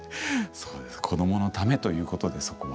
子どものためということでそこは。